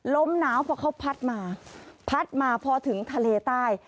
ลมหนาวพอเขาพัดมาพัดมาพอถึงทะเลใต้